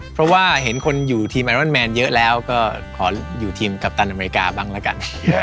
เพราะว่าเห็นคนอยู่ทีมไอรอนแมนเยอะแล้วก็ขออยู่ทีมกัปตันอเมริกาบ้างละกัน